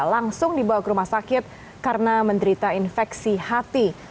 langsung dibawa ke rumah sakit karena menderita infeksi hati